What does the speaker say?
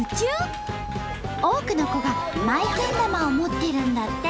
多くの子が「Ｍｙけん玉」を持ってるんだって！